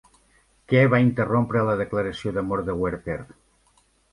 Què va interrompre la declaració d'amor de Werther?